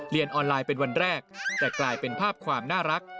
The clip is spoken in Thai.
ออนไลน์เป็นวันแรกแต่กลายเป็นภาพความน่ารัก